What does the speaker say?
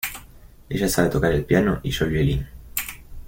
Ella sabe tocar el piano, y yo el violín.